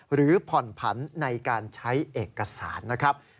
หรือผ่อนผันในการใช้เอกสารนะครับ